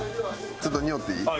ちょっとにおっていい？